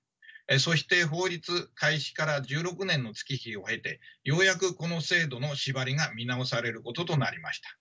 そして法律開始から１６年の月日を経てようやくこの制度の縛りが見直されることとなりました。